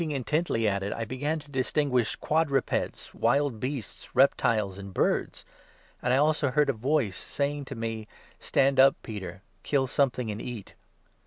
225 intently at it, I began to distinguish quadrupeds, wild beasts, reptiles, and birds ; and I also heard a voice saying to 7 me — 'Stand up, Peter, kill something and eat.'